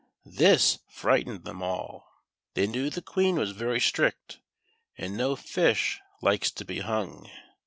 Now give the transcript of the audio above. This frightened them all. The\' knew the Queen was very strict, and no fish likes to be hung.